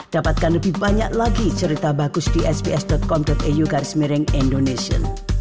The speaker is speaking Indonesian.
dapatkan lebih banyak lagi cerita bagus di sps com eu garis miring indonesia